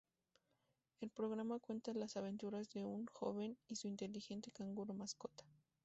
El programa cuenta las aventuras de un joven y su inteligente canguro mascota.